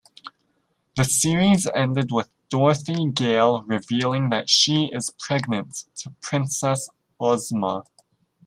The series ended with Dorothy Gale revealing that she is pregnant to Princess Ozma.